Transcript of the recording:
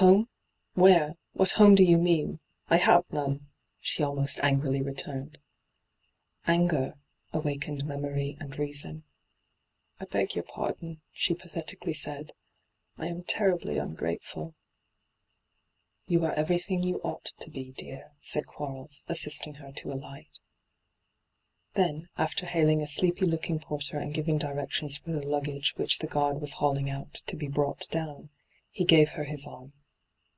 ' Home ? Where ? What home do yoa mean ? I have aone,* she almost angrily returned. Anger awakened memory and reason. ' I b^ your pardon,' she pathetically said. ' I am terribly ungratefiiL' 'You are everything you ought to be, dear,' said Quarlea, assisting her to alight. Then, after hailing a sleepy looking porter and giving directions for the Ing^ge which the guard was hauling out to be brought down, he gave her his arm.